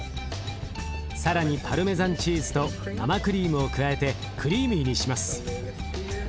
更にパルメザンチーズと生クリームを加えてクリーミーにします。